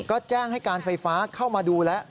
ก็แจ้งให้การไฟฟ้าเข้ามาดูแล้ว